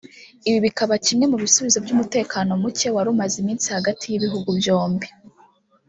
Ibi bikaba kimwe mu bisubizo by’umutekano muke wari umaze iminsi hagati y’ibihugu byombi